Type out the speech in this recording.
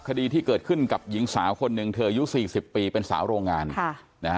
คดีที่เกิดขึ้นกับหญิงสาวคนหนึ่งเธออายุ๔๐ปีเป็นสาวโรงงานค่ะนะฮะ